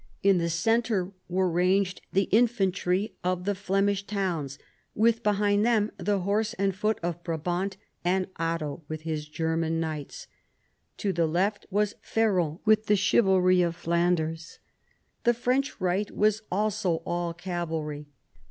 In the centre were ranged the infantry of the Flemish towns, with behind them the horse and foot of Brabant, and Otto with his German knights. To the left was Ferrand with the chivalry of Flanders. The French right was also all cavalry.